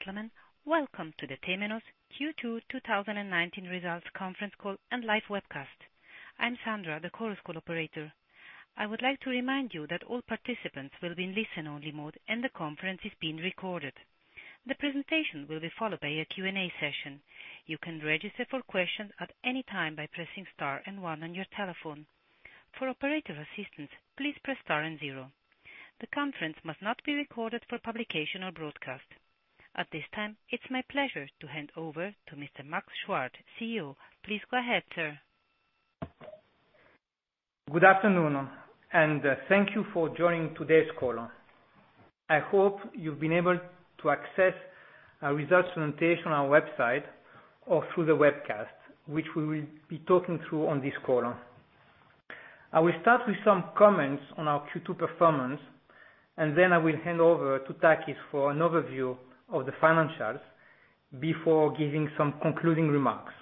Gentlemen, welcome to the Temenos Q2 2019 Results Conference Call and live webcast. I'm Sandra, the Chorus Call operator. I would like to remind you that all participants will be in listen-only mode, and the conference is being recorded. The presentation will be followed by a Q&A session. You can register for questions at any time by pressing star and one on your telephone. For operator assistance, please press star and zero. The conference must not be recorded for publication or broadcast. At this time, it's my pleasure to hand over to Mr. Max Chuard, CEO. Please go ahead, sir. Good afternoon. Thank you for joining today's call. I hope you've been able to access our results presentation on our website or through the webcast, which we will be talking through on this call. I will start with some comments on our Q2 performance. Then I will hand over to Takis for an overview of the financials before giving some concluding remarks.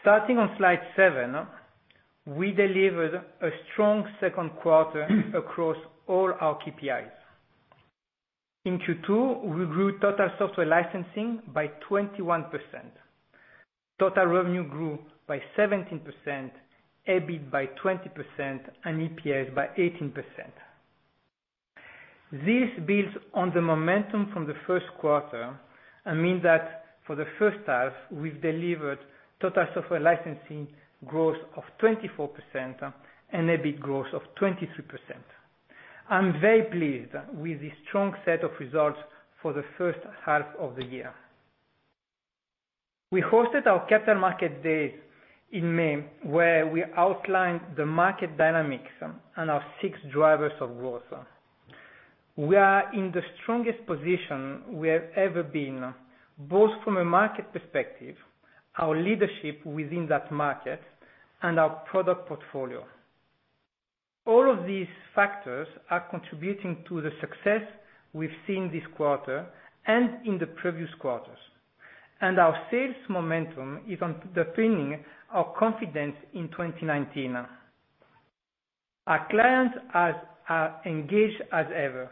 Starting on slide seven, we delivered a strong second quarter across all our KPIs. In Q2, we grew total software licensing by 21%. Total revenue grew by 17%, EBIT by 20%, and EPS by 18%. This builds on the momentum from the first quarter and means that for the first half, we've delivered total software licensing growth of 24% and EBIT growth of 23%. I'm very pleased with this strong set of results for the first half of the year. We hosted our capital market days in May, where we outlined the market dynamics and our six drivers of growth. We are in the strongest position we have ever been, both from a market perspective, our leadership within that market, and our product portfolio. All of these factors are contributing to the success we've seen this quarter and in the previous quarters. Our sales momentum is underpinning our confidence in 2019. Our clients are as engaged as ever,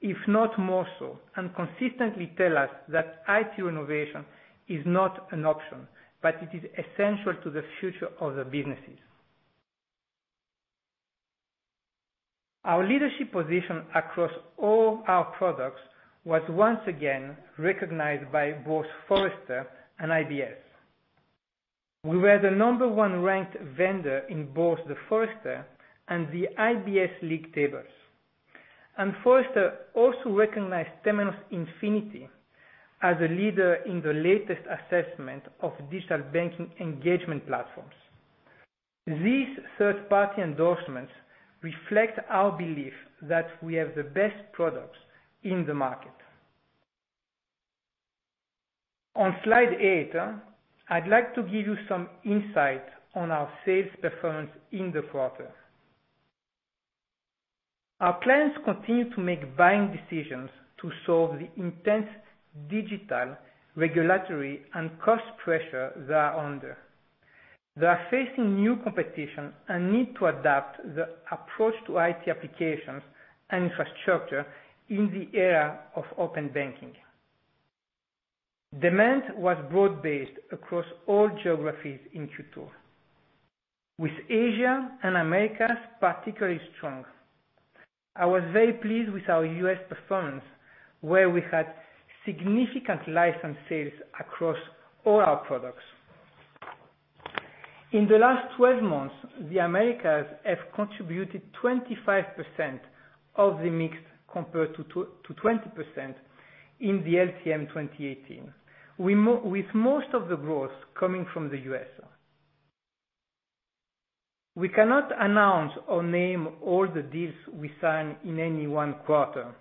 if not more so, and consistently tell us that IT innovation is not an option, but it is essential to the future of their businesses. Our leadership position across all our products was once again recognized by both Forrester and IBS. We were the number one ranked vendor in both the Forrester and the IBS league tables. Forrester also recognized Temenos Infinity as a leader in the latest assessment of digital banking engagement platforms. These third-party endorsements reflect our belief that we have the best products in the market. On slide eight, I'd like to give you some insight on our sales performance in the quarter. Our plans continue to make buying decisions to solve the intense digital regulatory and cost pressure they are under. They are facing new competition and need to adapt the approach to IT applications and infrastructure in the era of open banking. Demand was broad-based across all geographies in Q2, with Asia and Americas particularly strong. I was very pleased with our U.S. performance, where we had significant license sales across all our products. In the last 12 months, the Americas have contributed 25% of the mix compared to 20% in the LTM 2018, with most of the growth coming from the U.S. We cannot announce or name all the deals we sign in any one quarter,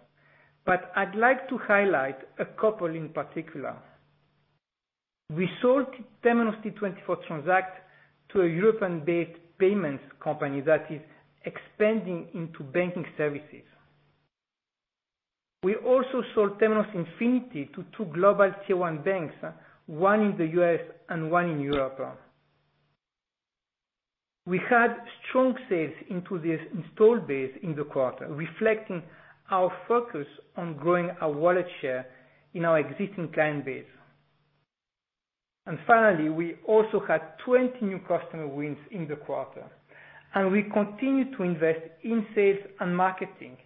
but I'd like to highlight a couple in particular. We sold Temenos T24 Transact to a European-based payments company that is expanding into banking services. We also sold Temenos Infinity to 2 global tier 1 banks, one in the U.S. and one in Europe. We had strong sales into this installed base in the quarter, reflecting our focus on growing our wallet share in our existing client base. Finally, we also had 20 new customer wins in the quarter, and we continue to invest in sales and marketing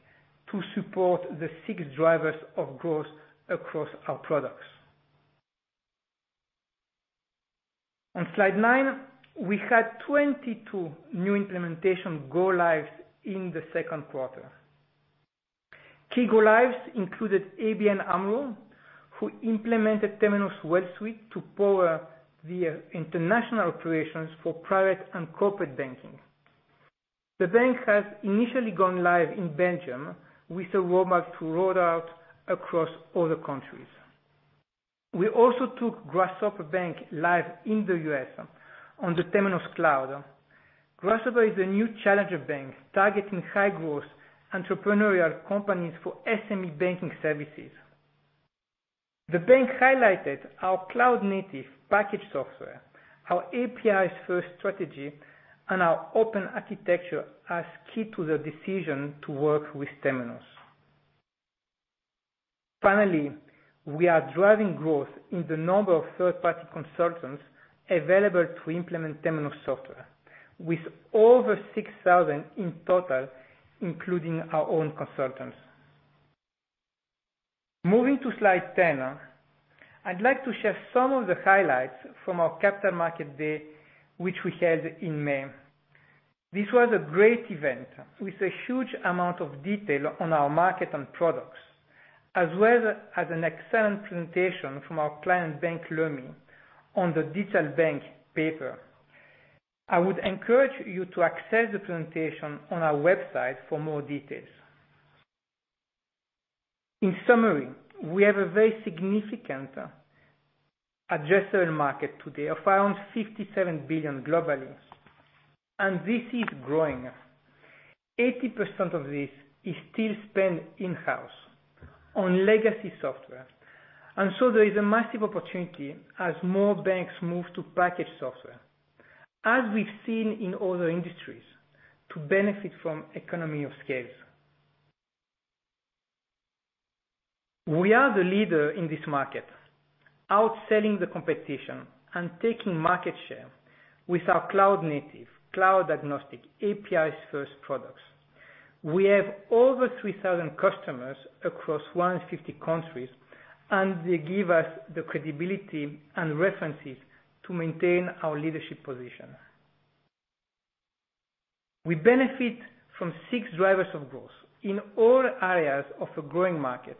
to support the six drivers of growth across our products. On slide nine, we had 22 new implementation go lives in the second quarter. Key go lives included ABN AMRO, who implemented Temenos Web Suite to power their international operations for private and corporate banking. The bank has initially gone live in Belgium with a roadmap to roll out across other countries. We also took Grasshopper Bank live in the U.S. on the Temenos Cloud. Grasshopper is a new challenger bank targeting high-growth entrepreneurial companies for SME banking services. The bank highlighted our cloud native package software, our APIs first strategy, and our open architecture as key to the decision to work with Temenos. Finally, we are driving growth in the number of third-party consultants available to implement Temenos software, with over 6,000 in total, including our own consultants. Moving to slide 10, I'd like to share some of the highlights from our capital market day, which we held in May. This was a great event with a huge amount of detail on our market and products, as well as an excellent presentation from our client bank, Leumi, on the digital bank Pepper. I would encourage you to access the presentation on our website for more details. In summary, we have a very significant addressable market today of around $57 billion globally, and this is growing. 80% of this is still spent in-house on legacy software, and so there is a massive opportunity as more banks move to package software, as we've seen in other industries, to benefit from economy of scales. We are the leader in this market, outselling the competition and taking market share with our cloud native, cloud agnostic, APIs first products. We have over 3,000 customers across 150 countries, and they give us the credibility and references to maintain our leadership position. We benefit from six drivers of growth in all areas of a growing market,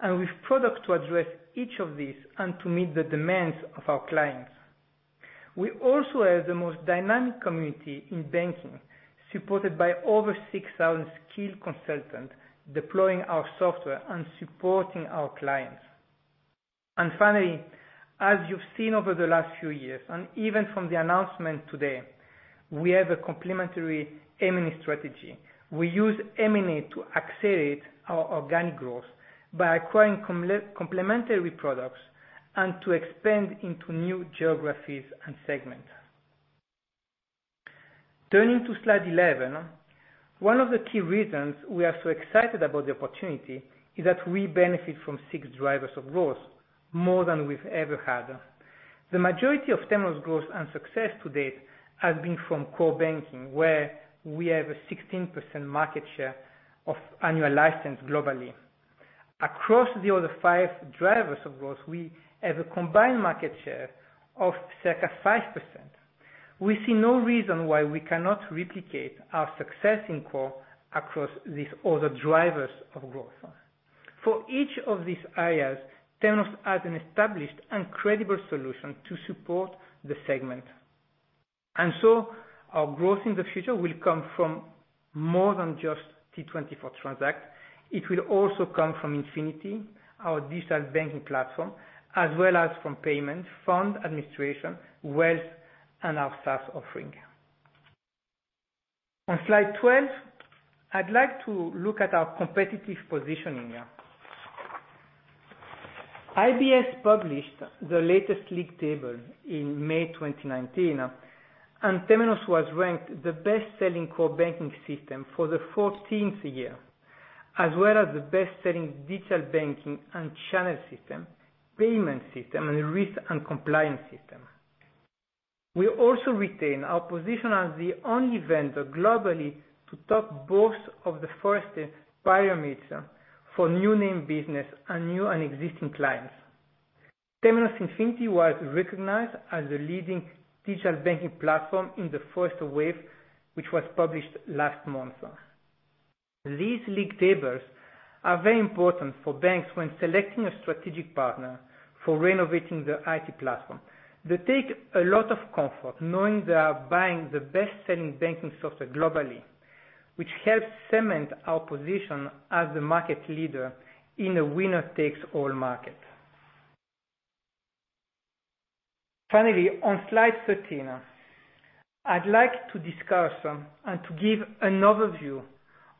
and with product to address each of these and to meet the demands of our clients. We also have the most dynamic community in banking, supported by over 6,000 skilled consultants deploying our software and supporting our clients. Finally, as you've seen over the last few years, and even from the announcement today, we have a complementary M&A strategy. We use M&A to accelerate our organic growth by acquiring complementary products and to expand into new geographies and segments. Turning to slide 11, one of the key reasons we are so excited about the opportunity is that we benefit from six drivers of growth, more than we've ever had. The majority of Temenos' growth and success to date has been from core banking, where we have a 16% market share of annual license globally. Across the other five drivers of growth, we have a combined market share of circa 5%. We see no reason why we cannot replicate our success in core across these other drivers of growth. For each of these areas, Temenos has an established and credible solution to support the segment. Our growth in the future will come from more than just T24 Transact. It will also come from Infinity, our digital banking platform, as well as from payment, fund administration, wealth, and our SaaS offering. On slide 12, I'd like to look at our competitive positioning. IBS published the latest league table in May 2019. Temenos was ranked the best-selling core banking system for the fourteenth year, as well as the best-selling digital banking and channel system, payment system, and risk and compliance system. We also retain our position as the only vendor globally to top both of the Forrester parameters for new name business and new and existing clients. Temenos Infinity was recognized as the leading digital banking platform in the first wave, which was published last month. These league tables are very important for banks when selecting a strategic partner for renovating their IT platform. They take a lot of comfort knowing they are buying the best-selling banking software globally, which helps cement our position as the market leader in a winner-takes-all market. Finally, on slide 13, I'd like to discuss and to give an overview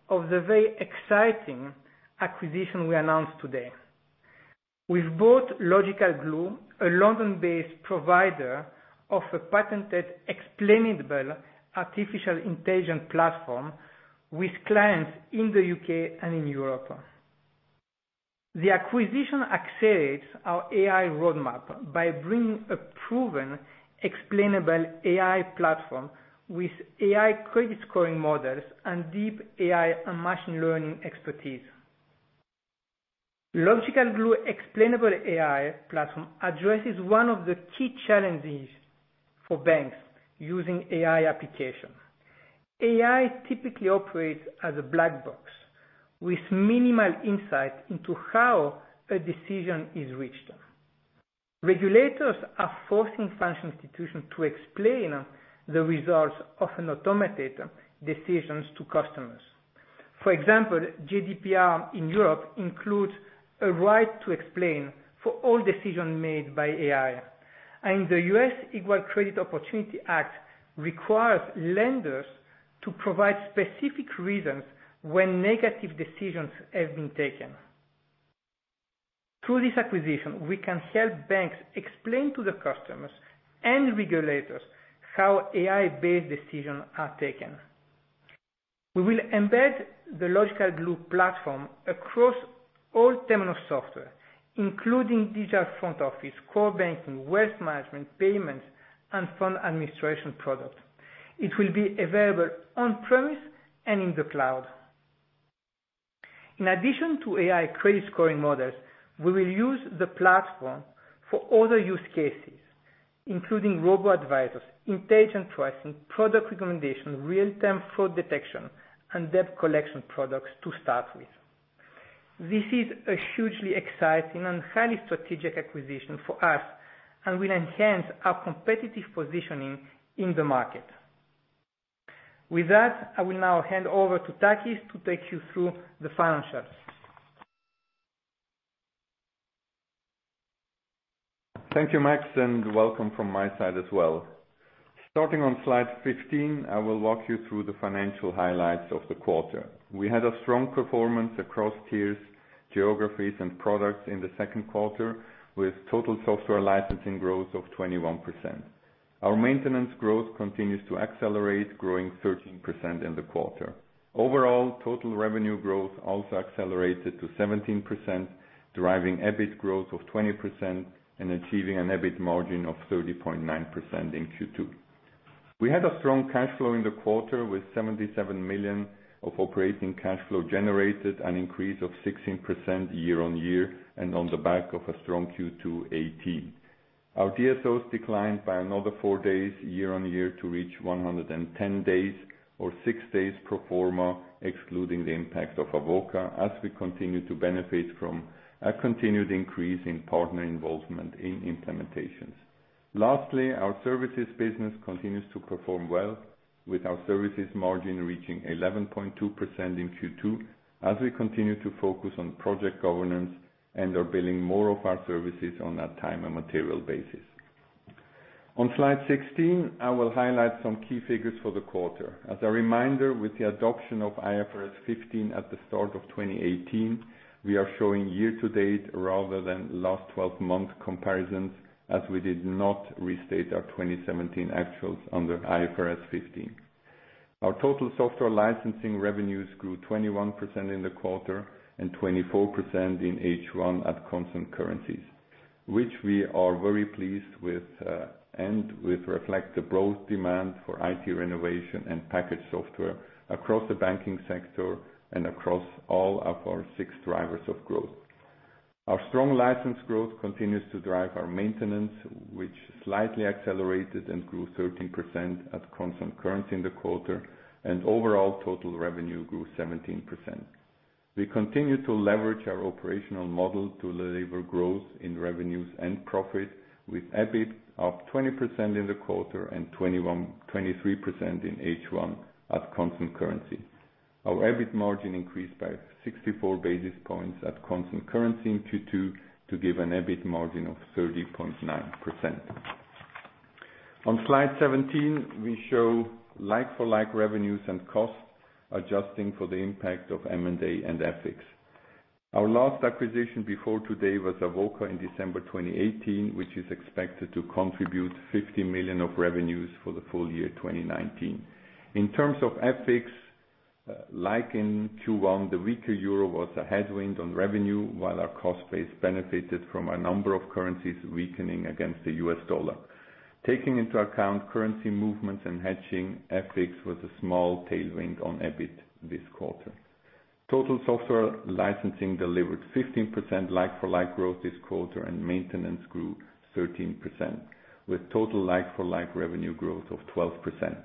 of the very exciting acquisition we announced today. We've bought Logical Glue, a London-based provider of a patented explainable artificial intelligence platform with clients in the U.K. and in Europe. The acquisition accelerates our AI roadmap by bringing a proven explainable AI platform with AI credit scoring models and deep AI and machine learning expertise. Logical Glue explainable AI platform addresses one of the key challenges for banks using AI application. AI typically operates as a black box, with minimal insight into how a decision is reached. Regulators are forcing financial institutions to explain the results of automated decisions to customers. For example, GDPR in Europe includes a right to explain for all decisions made by AI, and the U.S. Equal Credit Opportunity Act requires lenders to provide specific reasons when negative decisions have been taken. Through this acquisition, we can help banks explain to their customers and regulators how AI-based decisions are taken. We will embed the Logical Glue platform across all Temenos software, including digital front office, core banking, wealth management, payments, and fund administration product. It will be available on-premise and in the cloud. In addition to AI credit scoring models, we will use the platform for other use cases, including robo-advisors, intelligent pricing, product recommendation, real-time fraud detection, and debt collection products to start with. This is a hugely exciting and highly strategic acquisition for us and will enhance our competitive positioning in the market. With that, I will now hand over to Takis to take you through the financials. Thank you, Max, and welcome from my side as well. Starting on slide 15, I will walk you through the financial highlights of the quarter. We had a strong performance across tiers, geographies, and products in the second quarter, with total software licensing growth of 21%. Our maintenance growth continues to accelerate, growing 13% in the quarter. Overall, total revenue growth also accelerated to 17%, driving EBIT growth of 20% and achieving an EBIT margin of 30.9% in Q2. We had a strong cash flow in the quarter with $77 million of operating cash flow generated, an increase of 16% year-on-year, and on the back of a strong Q2 2018. Our DSOs declined by another four days year-on-year to reach 110 days or six days pro forma excluding the impact of Avoka as we continue to benefit from a continued increase in partner involvement in implementations. Our services business continues to perform well, with our services margin reaching 11.2% in Q2 as we continue to focus on project governance and are billing more of our services on a time and material basis. On slide 16, I will highlight some key figures for the quarter. As a reminder, with the adoption of IFRS 15 at the start of 2018, we are showing year to date rather than last 12-month comparisons as we did not restate our 2017 actuals under IFRS 15. Our total software licensing revenues grew 21% in the quarter and 24% in H1 at constant currencies, which we are very pleased with, and which reflect the growth demand for IT renovation and package software across the banking sector and across all of our six drivers of growth. Our strong license growth continues to drive our maintenance, which slightly accelerated and grew 13% at constant currency in the quarter. Total revenue grew 17%. We continue to leverage our operational model to deliver growth in revenues and profit with EBIT up 20% in the quarter and 23% in H1 at constant currency. Our EBIT margin increased by 64 basis points at constant currency in Q2 to give an EBIT margin of 30.9%. On slide 17, we show like-for-like revenues and costs adjusting for the impact of M&A and FX. Our last acquisition before today was Avoka in December 2018, which is expected to contribute $50 million of revenues for the full year 2019. In terms of FX, like in Q1, the weaker euro was a headwind on revenue while our cost base benefited from a number of currencies weakening against the US dollar. Taking into account currency movements and hedging, FX was a small tailwind on EBIT this quarter. Total software licensing delivered 15% like-for-like growth this quarter, and maintenance grew 13%, with total like-for-like revenue growth of 12%.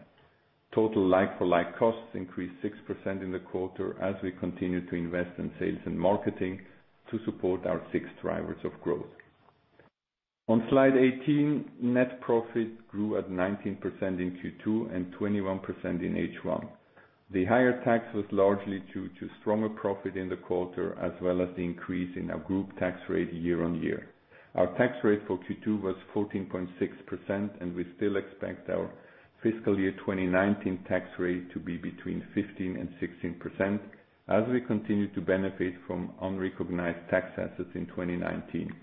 Total like-for-like costs increased 6% in the quarter as we continue to invest in sales and marketing to support our six drivers of growth. On slide 18, net profit grew at 19% in Q2 and 21% in H1. The higher tax was largely due to stronger profit in the quarter as well as the increase in our group tax rate year-on-year. Our tax rate for Q2 was 14.6%, and we still expect our fiscal year 2019 tax rate to be between 15%-16% as we continue to benefit from unrecognized tax assets in 2019.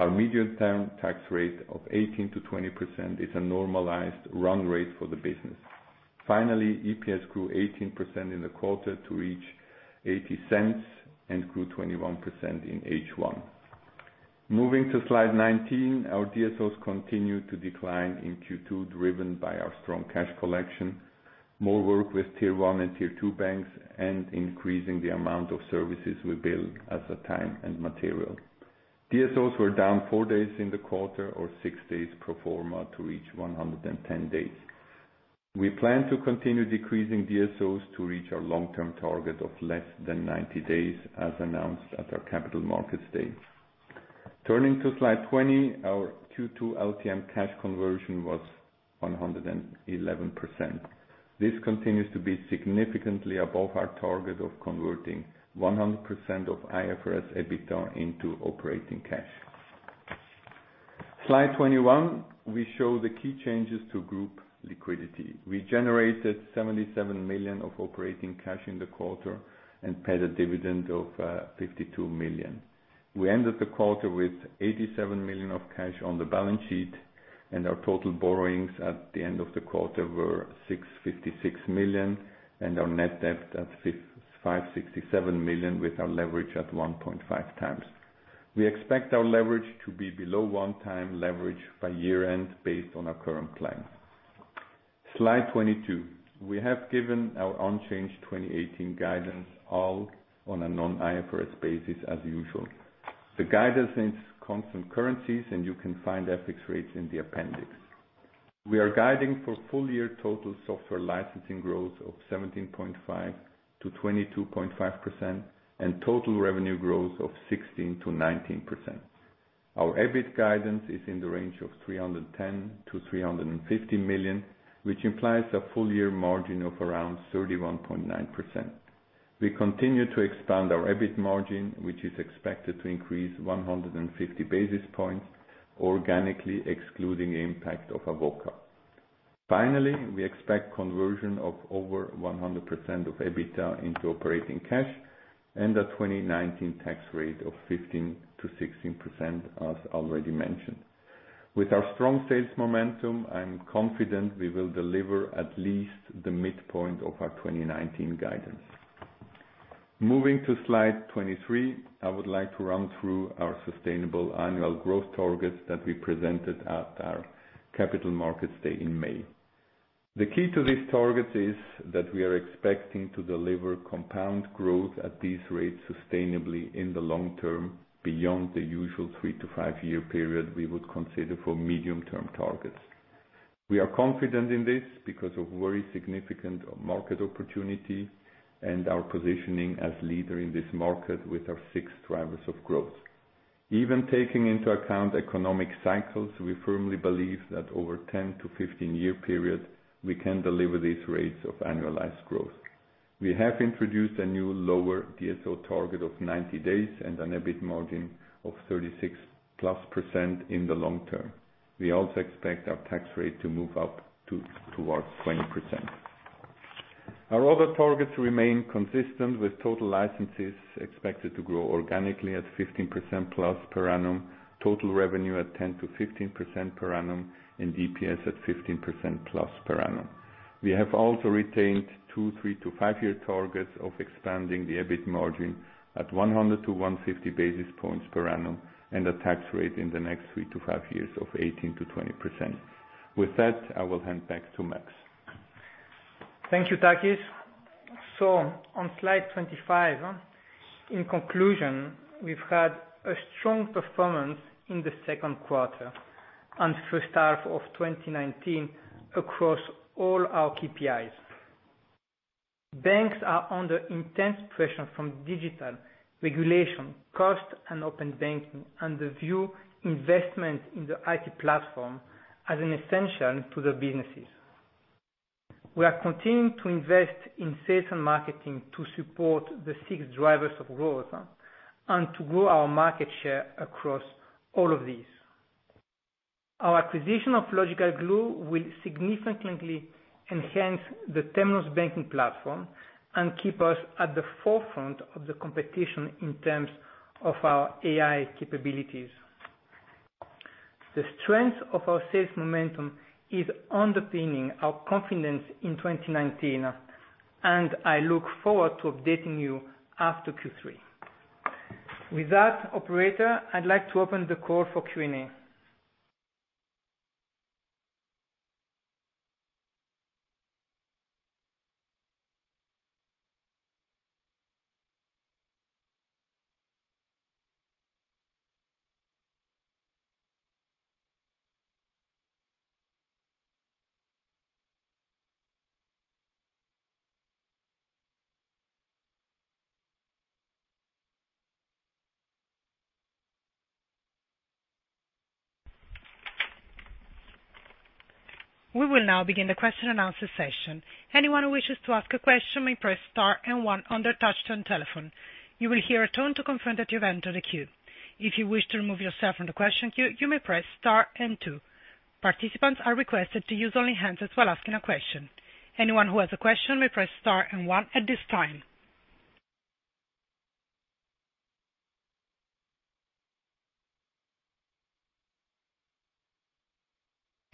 Our medium-term tax rate of 18%-20% is a normalized run rate for the business. EPS grew 18% in the quarter to reach $0.80 and grew 21% in H1. Moving to slide 19, our DSOs continued to decline in Q2, driven by our strong cash collection. More work with tier 1 and tier 2 banks and increasing the amount of services we build as a time and material. DSOs were down four days in the quarter or six days pro forma to reach 110 days. We plan to continue decreasing DSOs to reach our long-term target of less than 90 days, as announced at our capital markets day. Turning to slide 20, our Q2 LTM cash conversion was 111%. This continues to be significantly above our target of converting 100% of IFRS EBITDA into operating cash. Slide 21. We show the key changes to group liquidity. We generated $77 million of operating cash in the quarter and paid a dividend of $52 million. We ended the quarter with $87 million of cash on the balance sheet. Our total borrowings at the end of the quarter were $656 million. Our net debt at $567 million, with our leverage at 1.5 times. We expect our leverage to be below one time leverage by year-end, based on our current plans. Slide 22, we have given our unchanged 2018 guidance, all on a non-IFRS basis as usual. The guidance is constant currencies. You can find FX rates in the appendix. We are guiding for full-year total software licensing growth of 17.5%-22.5% and total revenue growth of 16%-19%. Our EBIT guidance is in the range of $310 million-$350 million, which implies a full-year margin of around 31.9%. We continue to expand our EBIT margin, which is expected to increase 150 basis points organically excluding the impact of Avoka. We expect conversion of over 100% of EBITDA into operating cash and a 2019 tax rate of 15%-16%, as already mentioned. With our strong sales momentum, I'm confident we will deliver at least the midpoint of our 2019 guidance. Moving to slide 23, I would like to run through our sustainable annual growth targets that we presented at our capital markets day in May. The key to these targets is that we are expecting to deliver compound growth at these rates sustainably in the long term, beyond the usual 3-5-year period we would consider for medium-term targets. We are confident in this because of very significant market opportunity and our positioning as leader in this market with our six drivers of growth. Even taking into account economic cycles, we firmly believe that over 10-15-year period, we can deliver these rates of annualized growth. We have introduced a new lower DSO target of 90 days and an EBIT margin of 36% plus in the long term. We also expect our tax rate to move up towards 20%. Our other targets remain consistent, with total licenses expected to grow organically at 15% plus per annum, total revenue at 10%-15% per annum, and DPS at 15% plus per annum. We have also retained two 3-5-year targets of expanding the EBIT margin at 100-150 basis points per annum, and a tax rate in the next 3-5 years of 18%-20%. With that, I will hand back to Max. Thank you, Takis. On slide 25, in conclusion, we've had a strong performance in the second quarter and first half of 2019 across all our KPIs. Banks are under intense pressure from digital regulation, cost, and open banking, they view investment in the IT platform as an essential to their businesses. We are continuing to invest in sales and marketing to support the six drivers of growth and to grow our market share across all of these. Our acquisition of Logical Glue will significantly enhance the Temenos banking platform and keep us at the forefront of the competition in terms of our AI capabilities. The strength of our sales momentum is underpinning our confidence in 2019, and I look forward to updating you after Q3. With that, operator, I'd like to open the call for Q&A. We will now begin the question and answer session. Anyone who wishes to ask a question may press star and one on their touch-tone telephone. You will hear a tone to confirm that you've entered a queue. If you wish to remove yourself from the question queue, you may press star and two. Participants are requested to use only hands while asking a question. Anyone who has a question may press star and one at this time.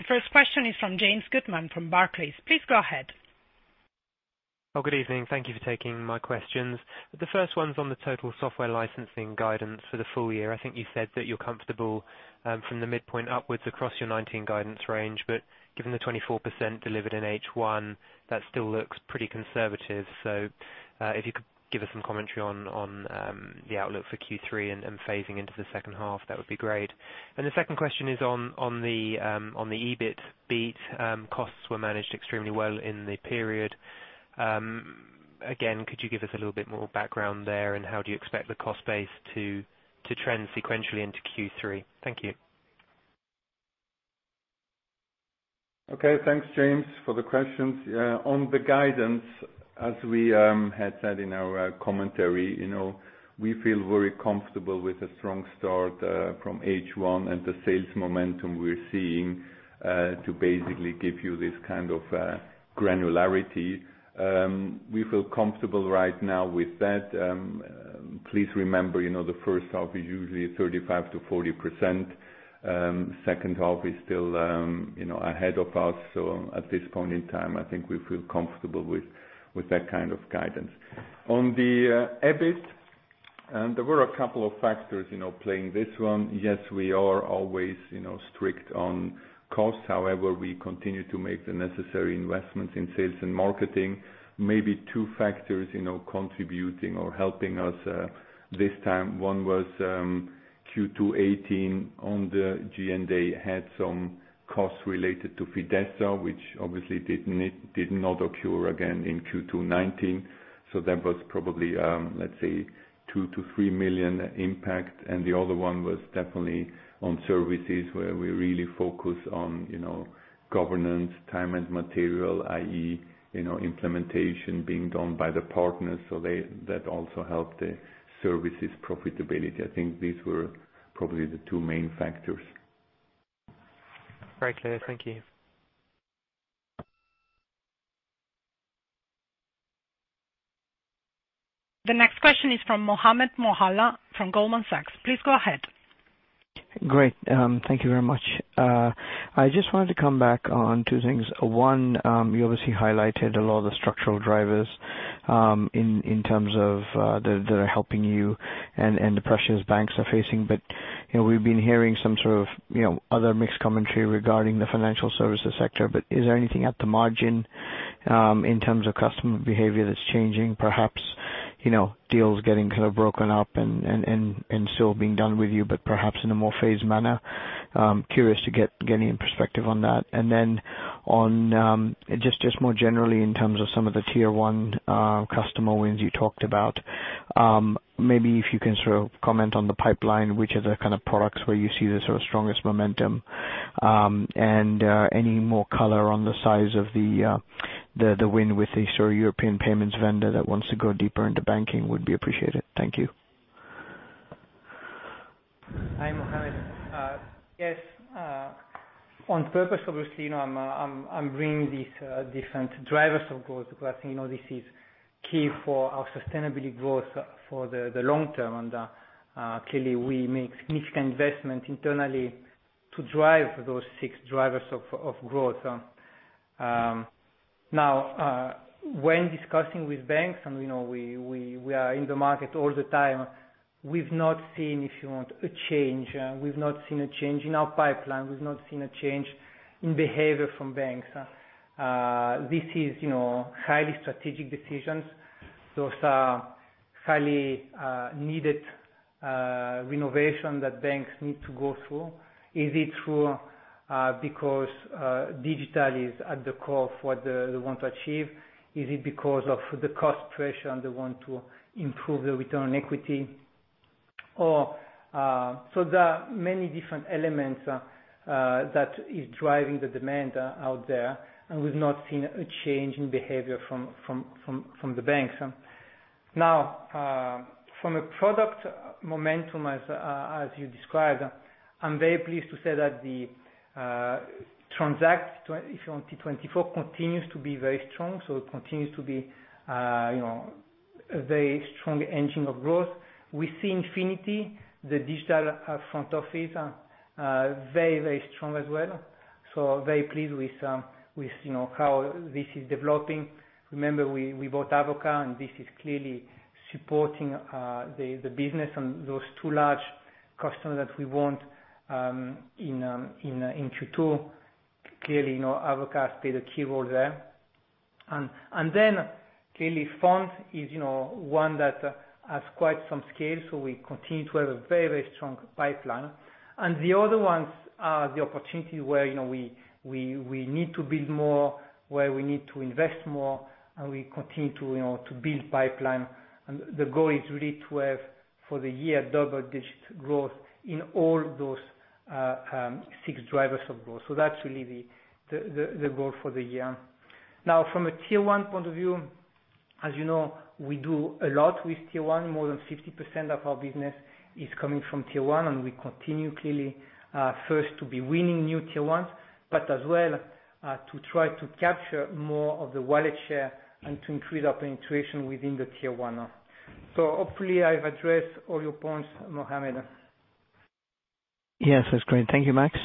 The first question is from James Goodman from Barclays. Please go ahead. Oh, good evening. Thank you for taking my questions. The first one's on the total software licensing guidance for the full year. I think you said that you're comfortable from the midpoint upwards across your 2019 guidance range, given the 24% delivered in H1, that still looks pretty conservative. If you could give us some commentary on the outlook for Q3 and phasing into the second half, that would be great. The second question is on the EBIT beat. Costs were managed extremely well in the period. Again, could you give us a little bit more background there, and how do you expect the cost base to trend sequentially into Q3? Thank you. Okay. Thanks, James, for the questions. On the guidance, as we had said in our commentary, we feel very comfortable with a strong start from H1 and the sales momentum we're seeing to basically give you this kind of granularity. We feel comfortable right now with that. Please remember, the first half is usually 35%-40%. Second half is still ahead of us. At this point in time, I think we feel comfortable with that kind of guidance. On the EBIT, there were a couple of factors playing this one. Yes, we are always strict on costs. However, we continue to make the necessary investments in sales and marketing. Maybe two factors contributing or helping us this time. One was Q2 2018 on the G&A had some costs related to Fidessa, which obviously did not occur again in Q2 2019. That was probably, let's say, $2 million-$3 million impact. The other one was definitely on services where we really focus on governance, time and material, i.e., implementation being done by the partners. That also helped the services profitability. I think these were probably the two main factors. Very clear. Thank you. The next question is from Mohammed Moawalla from Goldman Sachs. Please go ahead. Great. Thank you very much. I just wanted to come back on two things. One, you obviously highlighted a lot of the structural drivers in terms of that are helping you and the pressures banks are facing. We've been hearing some sort of other mixed commentary regarding the financial services sector. Is there anything at the margin in terms of customer behavior that's changing? Perhaps deals getting kind of broken up and still being done with you, but perhaps in a more phased manner? Curious to get any perspective on that. Then just more generally in terms of some of the tier 1 customer wins you talked about, maybe if you can sort of comment on the pipeline, which are the kind of products where you see the sort of strongest momentum. Any more color on the size of the win with a sort of European payments vendor that wants to go deeper into banking would be appreciated. Thank you. Hi, Mohammed. Yes, on purpose, obviously, I'm bringing these different drivers of growth because this is key for our sustainability growth for the long term. Clearly we make significant investment internally to drive those six drivers of growth. When discussing with banks, and we are in the market all the time, we've not seen, if you want a change. We've not seen a change in our pipeline. We've not seen a change in behavior from banks. This is highly strategic decisions. Those are highly needed renovation that banks need to go through. Is it through because digital is at the core of what they want to achieve? Is it because of the cost pressure and they want to improve the return on equity? There are many different elements that is driving the demand out there and we've not seen a change in behavior from the banks. From a product momentum as you described, I'm very pleased to say that the Transact, if you want T24 continues to be very strong. It continues to be a very strong engine of growth. We see Infinity, the digital front office, very strong as well. Very pleased with how this is developing. Remember we bought Avoka and this is clearly supporting the business and those two large customers that we won in Q2. Clearly, Avoka has played a key role there. Then clearly Multifonds is one that has quite some scale. We continue to have a very strong pipeline. The other ones are the opportunity where we need to build more, where we need to invest more and we continue to build pipeline. The goal is really to have for the year double-digit growth in all those six drivers of growth. That's really the goal for the year. From a tier 1 point of view, as you know, we do a lot with tier 1. More than 50% of our business is coming from tier 1 and we continue clearly first to be winning new tier 1s but as well to try to capture more of the wallet share and to increase our penetration within the tier 1. Hopefully I've addressed all your points, Mohammed. Yes, that's great. Thank you, Max.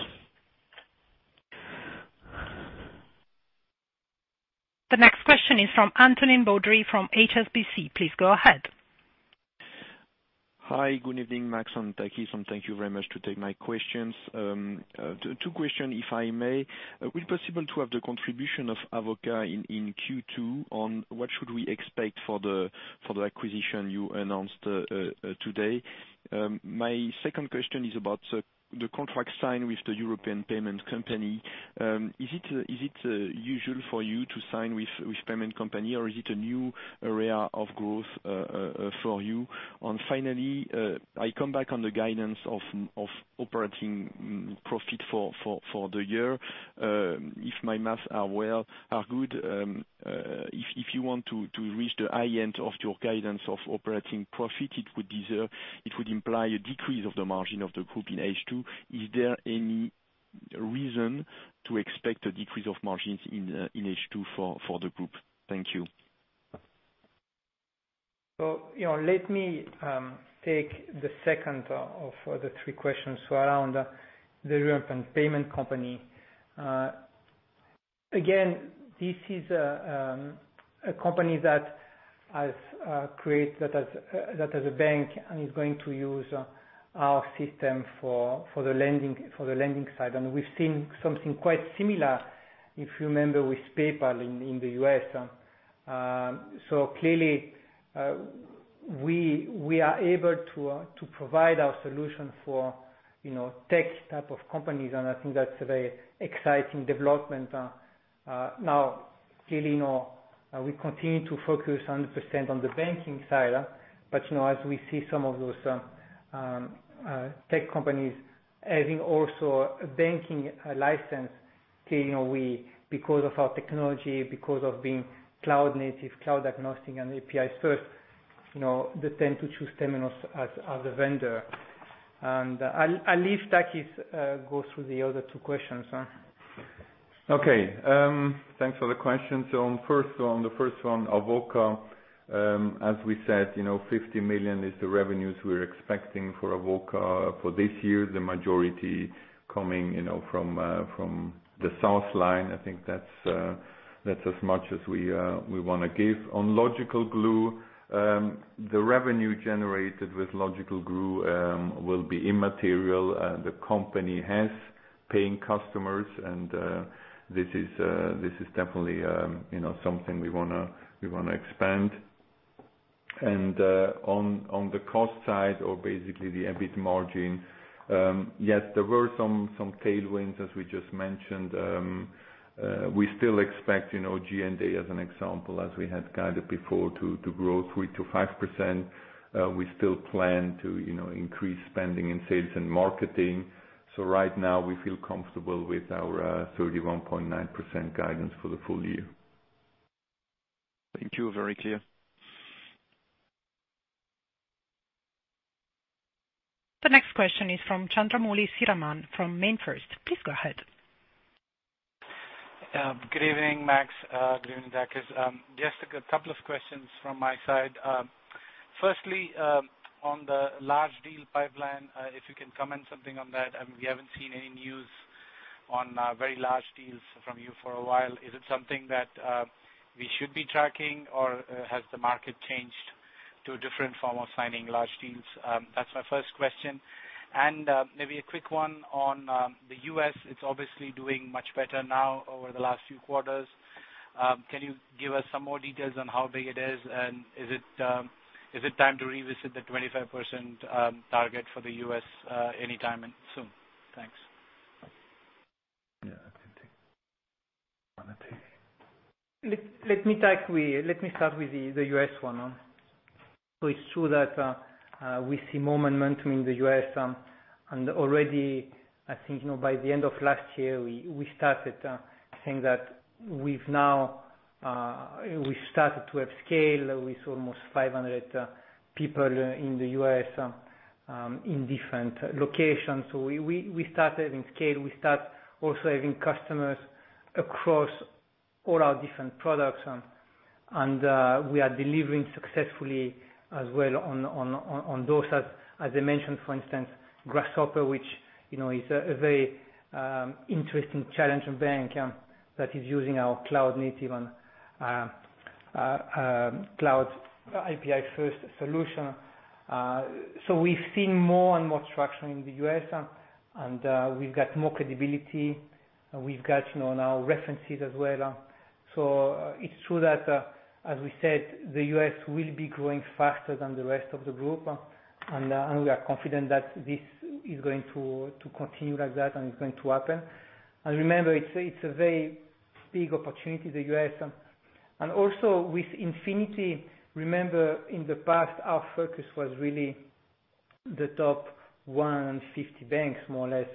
The next question is from Antonin Baudry from HSBC. Please go ahead. Hi. Good evening, Max and Takis, thank you very much to take my questions. Two question if I may. Will it possible to have the contribution of Avoka in Q2 on what should we expect for the acquisition you announced today? My second question is about the contract signed with the European payment company. Is it usual for you to sign with payment company or is it a new area of growth for you? Finally, I come back on the guidance of operating profit for the year. If my math are good, if you want to reach the high end of your guidance of operating profit, it would imply a decrease of the margin of the group in H2. Is there any reason to expect a decrease of margins in H2 for the group? Thank you. Let me take the second of the three questions. Around the European payment company. Again, this is a company that has a bank and is going to use our system for the lending side. We've seen something quite similar, if you remember, with PayPal in the U.S. Clearly, we are able to provide our solution for tech type of companies, and I think that's a very exciting development. Clearly, we continue to focus 100% on the banking side, but as we see some of those tech companies having also a banking license, clearly, because of our technology, because of being cloud-native, cloud-agnostic, and APIs first, they tend to choose Temenos as the vendor. I'll leave Takis go through the other two questions. Okay. Thanks for the question. On the first one, Avoka, as we said, $50 million is the revenues we are expecting for Avoka for this year, the majority coming from the SaaS line. I think that's as much as we want to give. On Logical Glue, the revenue generated with Logical Glue will be immaterial. The company has paying customers and this is definitely something we want to expand. On the cost side, or basically the EBIT margin, yes, there were some tailwinds as we just mentioned. We still expect, G&A as an example, as we had guided before to grow 3%-5%. We still plan to increase spending in sales and marketing. Right now we feel comfortable with our 31.9% guidance for the full year. Thank you. Very clear. The next question is from Chandramouli Sriraman from MainFirst. Please go ahead. Good evening, Max. Good evening, Takis. Just a couple of questions from my side. Firstly, on the large deal pipeline, if you can comment something on that. We haven't seen any news on very large deals from you for a while. Is it something that we should be tracking or has the market changed to a different form of signing large deals? That's my first question. Maybe a quick one on the U.S. It's obviously doing much better now over the last few quarters. Can you give us some more details on how big it is? Is it time to revisit the 25% target for the U.S. anytime soon? Thanks. Yeah, I can take. You want to take? Let me start with the U.S. one. It's true that we see more momentum in the U.S., and already, I think, by the end of last year, we started to have scale with almost 500 people in the U.S. in different locations. We start also having customers across all our different products, and we are delivering successfully as well on those. As I mentioned, for instance, Grasshopper, which is a very interesting challenge, a bank that is using our cloud-native and cloud API-first solution. We've seen more and more traction in the U.S., and we've got more credibility. We've got now references as well. It's true that, as we said, the U.S. will be growing faster than the rest of the group, and we are confident that this is going to continue like that and it's going to happen. Remember, it's a very big opportunity, the U.S. Also with Infinity, remember, in the past, our focus was really the top 150 banks, more or less.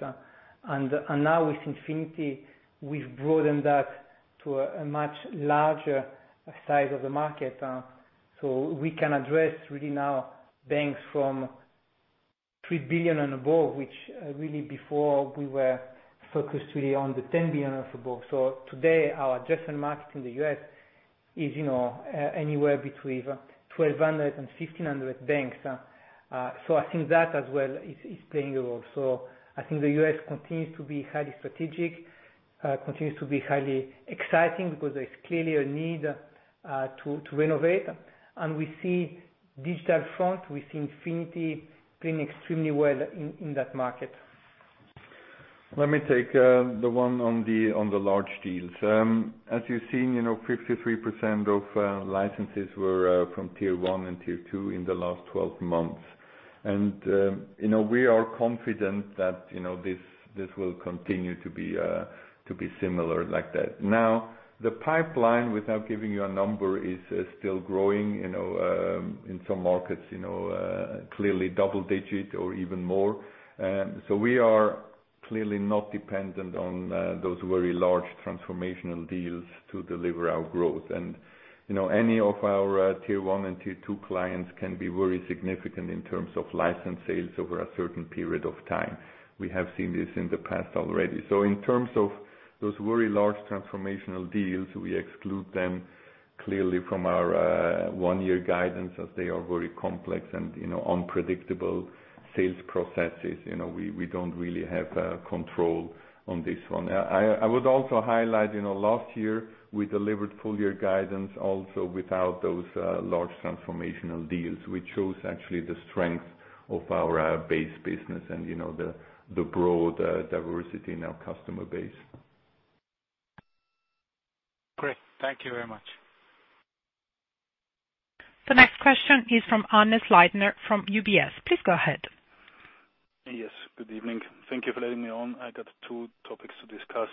Now with Infinity, we've broadened that to a much larger side of the market. We can address really now banks from $3 billion and above, which really before we were focused really on the $10 billion and above. Today, our addressable market in the U.S. is anywhere between 1,200 and 1,500 banks. I think that as well is playing a role. I think the U.S. continues to be highly strategic, continues to be highly exciting because there's clearly a need to renovate. We see digital front, we see Infinity playing extremely well in that market. Let me take the one on the large deals. As you've seen, 53% of licenses were from tier 1 and tier 2 in the last 12 months. We are confident that this will continue to be similar like that. Now, the pipeline, without giving you a number, is still growing. In some markets, clearly double-digit or even more. We are clearly not dependent on those very large transformational deals to deliver our growth. Any of our tier 1 and tier 2 clients can be very significant in terms of license sales over a certain period of time. We have seen this in the past already. In terms of those very large transformational deals, we exclude them clearly from our one-year guidance as they are very complex and unpredictable sales processes. We don't really have control on this one. I would also highlight, last year we delivered full year guidance also without those large transformational deals, which shows actually the strength of our base business and the broad diversity in our customer base. Great. Thank you very much. The next question is from Hannes Leitner from UBS. Please go ahead. Yes, good evening. Thank you for letting me on. I got two topics to discuss.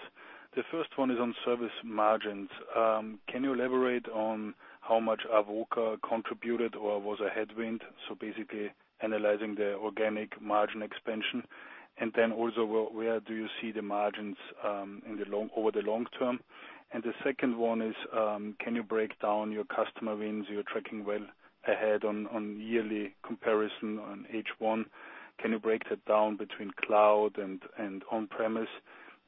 The first one is on service margins. Can you elaborate on how much Avoka contributed or was a headwind? Basically analyzing the organic margin expansion. Also where do you see the margins over the long term? The second one is, can you break down your customer wins? You're tracking well ahead on yearly comparison on H1. Can you break that down between cloud and on-premise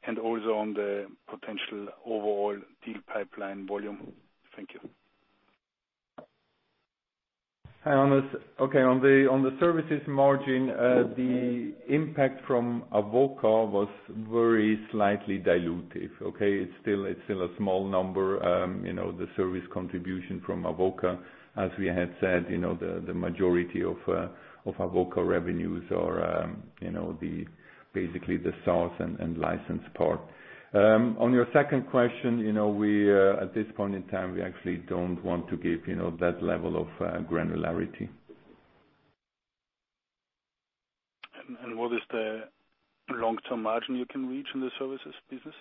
and also on the potential overall deal pipeline volume? Thank you. Hi, Hannes. Okay, on the services margin, the impact from Avoka was very slightly dilutive. It's still a small number, the service contribution from Avoka. As we had said, the majority of Avoka revenues are basically the SaaS and license part. On your second question, at this point in time, we actually don't want to give that level of granularity. What is the long-term margin you can reach in the services business?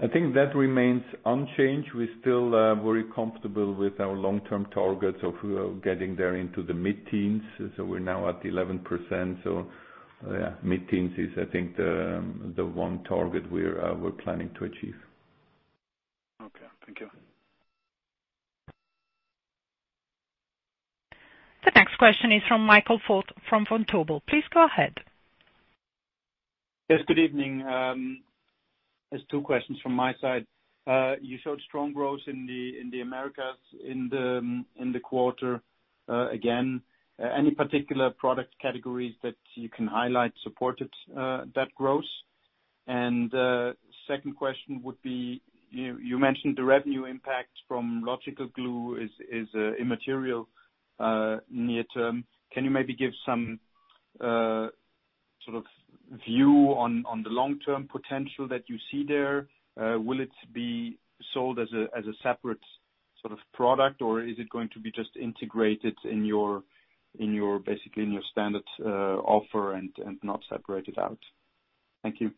I think that remains unchanged. We're still very comfortable with our long-term targets of getting there into the mid-teens. We're now at 11%. Yeah, mid-teens is, I think, the one target we're planning to achieve. Okay. Thank you. The next question is from Michael Foeth from Vontobel. Please go ahead. Yes, good evening. There are two questions from my side. You showed strong growth in the Americas in the quarter again. Any particular product categories that you can highlight supported that growth? Second question would be, you mentioned the revenue impact from Logical Glue is immaterial near term. Can you maybe give some sort of view on the long-term potential that you see there? Will it be sold as a separate sort of product, or is it going to be just integrated basically in your standard offer and not separated out? Thank you.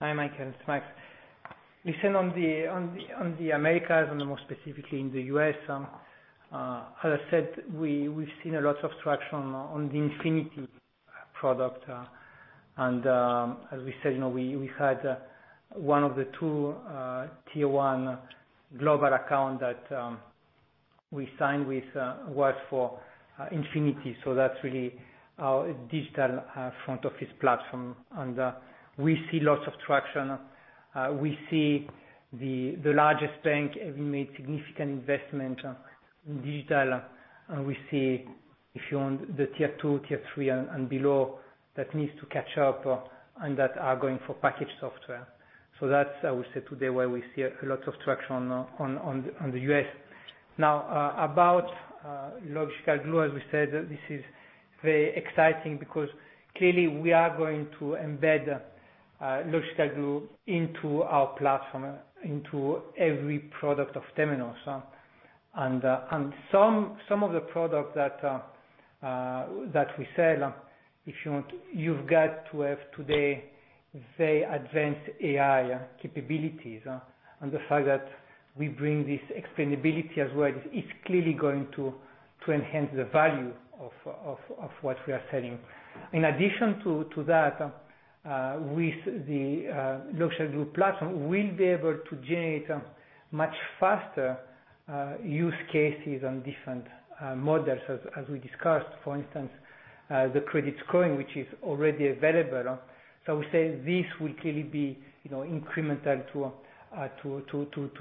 Hi, Michael. It is Mike. Listen, on the Americas and more specifically in the U.S., as I said, we've seen a lot of traction on the Infinity product. As we said, we had one of the two tier 1 global account that we signed with was for Infinity. That is really our digital front office platform. We see lots of traction. We see the largest bank have made significant investment in digital. We see if you're on the tier 2, tier 3 and below that needs to catch up and that are going for package software. That is, I would say today why we see a lot of traction on the U.S. About Logical Glue, as we said, this is very exciting because clearly we are going to embed Logical Glue into our platform, into every product of Temenos. Some of the product that we sell, if you want, you've got to have today very advanced AI capabilities. The fact that we bring this explainability as well is clearly going to enhance the value of what we are selling. In addition to that, with the Logical Glue platform, we'll be able to generate much faster use cases on different models as we discussed, for instance, the credit scoring, which is already available. We say this will clearly be incremental to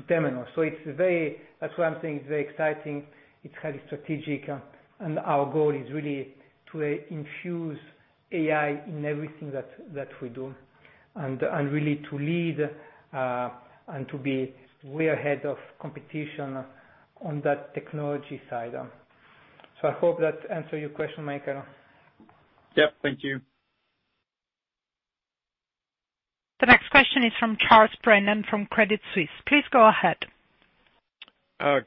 Temenos. That is why I'm saying it is very exciting, it is highly strategic, and our goal is really to infuse AI in everything that we do and really to lead, and to be way ahead of competition on that technology side. I hope that answer your question, Michael. Yep. Thank you. The next question is from Charles Brennan from Credit Suisse. Please go ahead.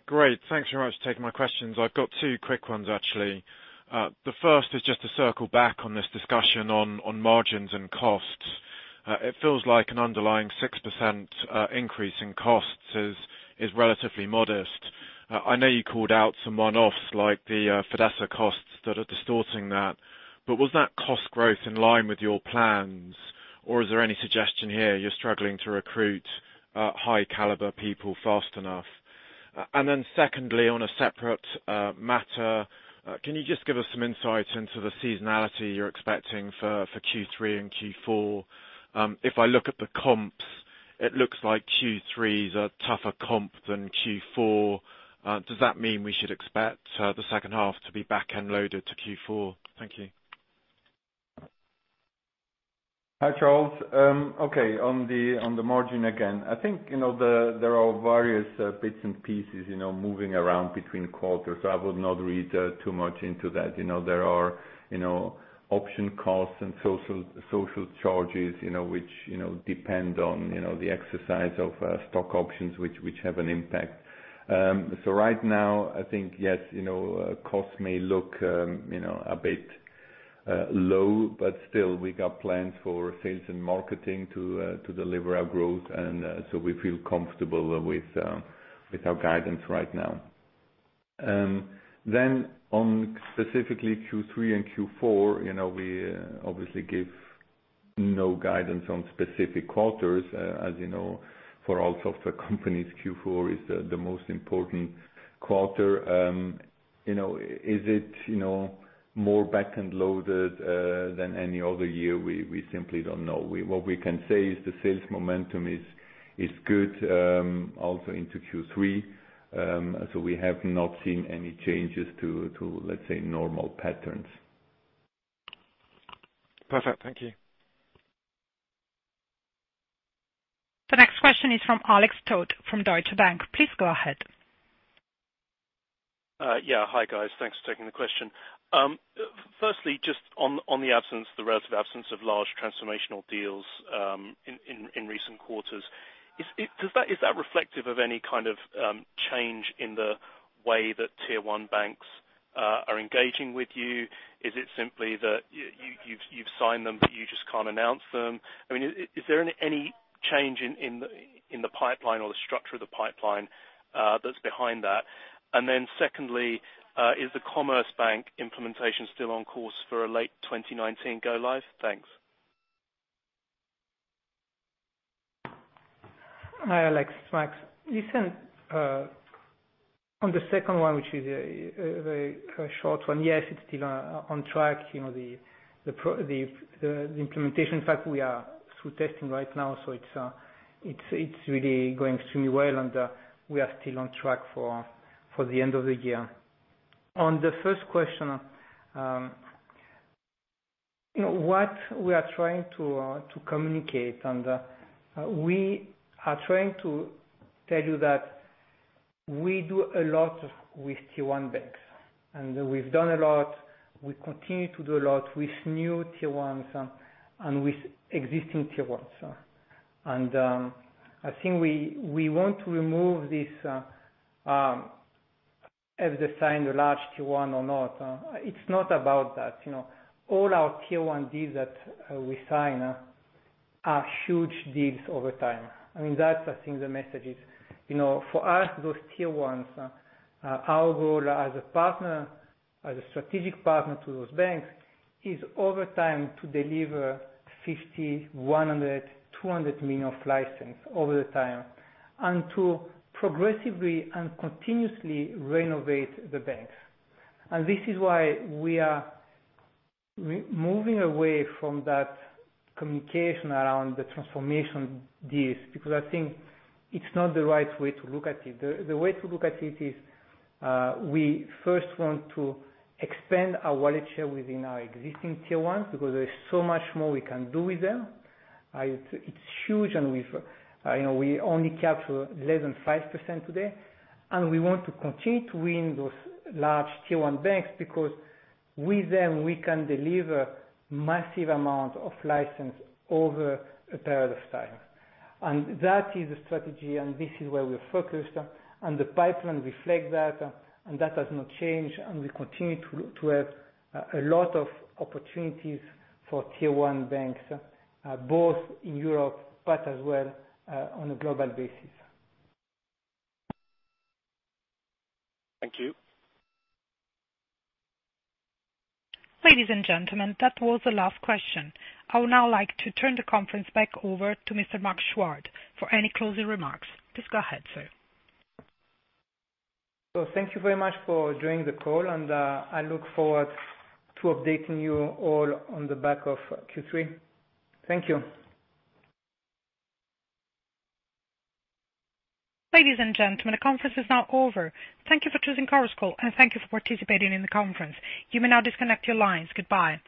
Great. Thanks very much for taking my questions. I've got two quick ones, actually. The first is just to circle back on this discussion on margins and costs. It feels like an underlying 6% increase in costs is relatively modest. I know you called out some one-offs like the Fidessa costs that are distorting that, but was that cost growth in line with your plans, or is there any suggestion here you're struggling to recruit high caliber people fast enough? Secondly, on a separate matter, can you just give us some insight into the seasonality you're expecting for Q3 and Q4? If I look at the comp, it looks like Q3 is a tougher comp than Q4. Does that mean we should expect the second half to be back-end loaded to Q4? Thank you. Hi, Charles. Okay, on the margin again. I think there are various bits and pieces moving around between quarters. I would not read too much into that. There are option costs and social charges, which depend on the exercise of stock options which have an an impact. Right now, I think, yes, costs may look a bit low, but still, we got plans for sales and marketing to deliver our growth. We feel comfortable with our guidance right now. On specifically Q3 and Q4, we obviously give no guidance on specific quarters. As you know, for all software companies, Q4 is the most important quarter. Is it more back-end loaded than any other year? We simply don't know. What we can say is the sales momentum is good also into Q3. We have not seen any changes to, let's say, normal patterns. Perfect. Thank you. The next question is from Alex Tout from Deutsche Bank. Please go ahead. Yeah. Hi, guys. Thanks for taking the question. Firstly, just on the relative absence of large transformational deals in recent quarters, is that reflective of any kind of change in the way that Tier 1 banks are engaging with you? Is it simply that you've signed them, but you just can't announce them? Is there any change in the pipeline or the structure of the pipeline that's behind that? Secondly, is the Commerzbank implementation still on course for a late 2019 go live? Thanks. Hi, Alex. It's Max. Listen, on the second one, which is a very short one, yes, it's still on track, the implementation. We are through testing right now, so it's really going extremely well, and we are still on track for the end of the year. On the first question, what we are trying to communicate, and we are trying to tell you that we do a lot with Tier 1 banks. We've done a lot, we continue to do a lot with new Tier 1s and with existing Tier 1s. I think we want to remove this, have they signed a large Tier 1 or not. It's not about that. All our Tier 1 deals that we sign are huge deals over time. That, I think, the message is. For us, those Tier 1s, our role as a partner, as a strategic partner to those banks, is over time to deliver $50 million, $100 million, $200 million of license over the time. To progressively and continuously renovate the banks. This is why we are moving away from that communication around the transformation deals, because I think it's not the right way to look at it. The way to look at it is, we first want to expand our wallet share within our existing Tier 1s because there is so much more we can do with them. It's huge, we only capture less than 5% today, we want to continue to win those large Tier 1 banks because with them, we can deliver massive amount of license over a period of time. That is the strategy, this is where we're focused, the pipeline reflect that has not changed, we continue to have a lot of opportunities for Tier 1 banks, both in Europe, but as well on a global basis. Thank you. Ladies and gentlemen, that was the last question. I would now like to turn the conference back over to Mr. Max Chuard for any closing remarks. Please go ahead, sir. Thank you very much for joining the call, and I look forward to updating you all on the back of Q3. Thank you. Ladies and gentlemen, the conference is now over. Thank you for choosing Chorus Call, and thank you for participating in the conference. You may now disconnect your lines. Goodbye.